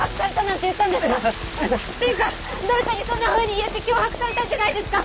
っていうか誰かにそんなふうに言えって脅迫されたんじゃないですか？